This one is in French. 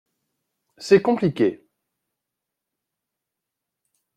C’est compliqué.